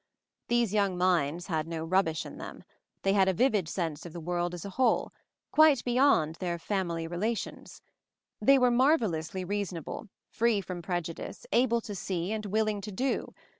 These young minds had no rubbish in them. They had a vivid sense of the world as a whole, quite beyond their family "re lations." They were marvelously reason able, free from prejudice, able to see and willing to do.